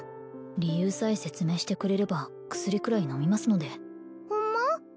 理由さえ説明してくれれば薬くらい飲みますのでホンマ？